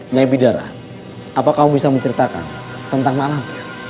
nabi dara apa kamu bisa menceritakan tentang malampir